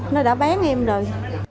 nó đã bán em rồi